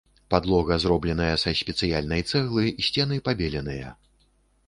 Падлога зробленая са спецыяльнай цэглы, сцены пабеленыя.